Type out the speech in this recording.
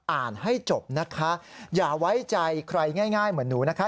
อ่านให้จบนะคะอย่าไว้ใจใครง่ายเหมือนหนูนะคะ